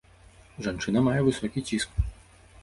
Жанчына мае высокі ціск.